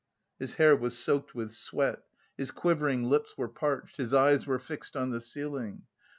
His hair was soaked with sweat, his quivering lips were parched, his eyes were fixed on the ceiling.